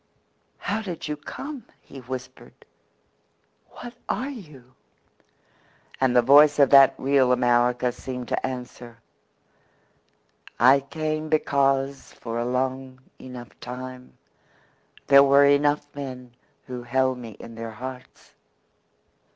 "How did you come?" he whispered. "What are you?" And the voice of that real America seemed to answer: "I came because for a long enough time there were enough men who held me in their hearts.